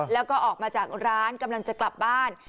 แล้วก็ออกมาจากร้านกำลังจะกลับบ้าน